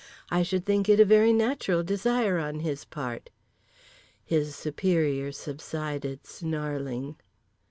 I should think it a very natural desire on his part."—His superior subsided snarling.